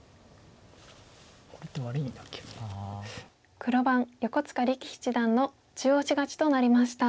黒番横塚力七段の中押し勝ちとなりました。